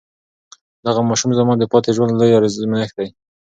دغه ماشوم زما د پاتې ژوند لوی ازمېښت دی.